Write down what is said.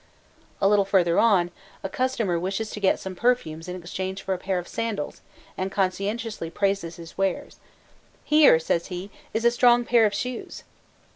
A little further on, a customer wishes to get some perfumes in exchange for a pair of sandals, and conscientiously praises his wares: "Here," says he, "is a strong pair of shoes."